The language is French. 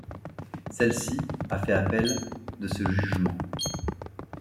Celle-ci a fait appel de ce jugement.